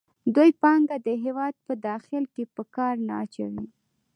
دوی پانګه د هېواد په داخل کې په کار نه اچوي